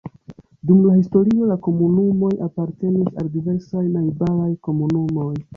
Dum la historio la komunumoj apartenis al diversaj najbaraj komunumoj.